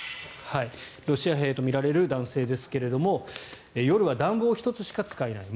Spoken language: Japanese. ロシア兵とみられる男性ですが夜は暖房一つしか使えない。